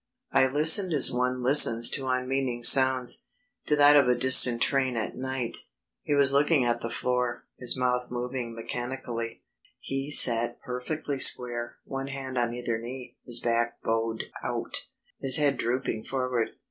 I listened as one listens to unmeaning sounds to that of a distant train at night. He was looking at the floor, his mouth moving mechanically. He sat perfectly square, one hand on either knee, his back bowed out, his head drooping forward.